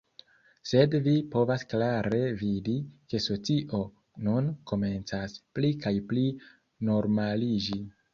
sed vi povas klare vidi, ke socio nun komencas pli kaj pli normaliĝi.